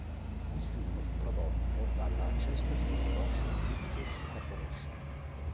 Il film fu prodotto dalla Chesterfield Motion Pictures Corporation.